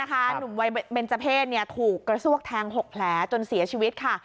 หนุ่มวัยเบนเจอร์เพศถูกกระซวกแทง๖แผลจนเสียชีวิตค่ะ